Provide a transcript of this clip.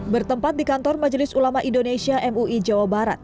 bertempat di kantor majelis ulama indonesia mui jawa barat